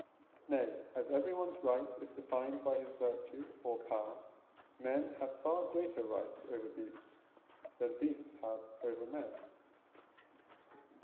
Nay, as everyone's right is defined by his virtue, or power, men have far greater rights over beasts than beasts have over men.